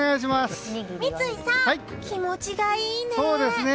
三井さん、気持ちがいいね。